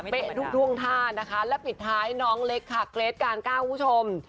ทุกท่วงท่านะคะและปิดท้ายน้องเล็กค่ะเกรทกาลเก้าคุณผู้ชม